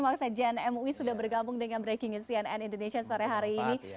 waktu saya jnmw sudah bergabung dengan breaking news cnn indonesia sore hari ini